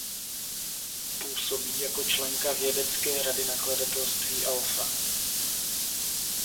Působí jako členka vědecké rady nakladatelství Alfa.